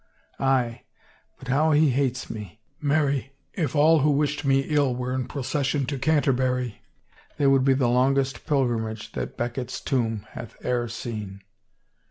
Aye, but how he hates me. Marry, if all who wished me ill were in procession to Canterbury they would be the longest pilgrimage that Becket's tomb hath e'er seen